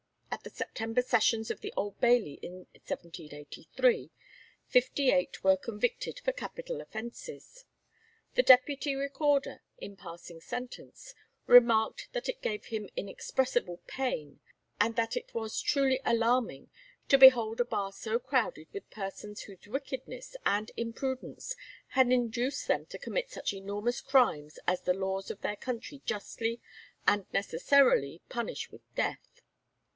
At the September Sessions of the Old Bailey in 1783, fifty eight were convicted for capital offences. The Deputy Recorder, in passing sentence, remarked that it gave him inexpressible pain, and that it was truly alarming "to behold a bar so crowded with persons whose wickedness and imprudence had induced them to commit such enormous crimes as the laws of their country justly and necessarily punish with death.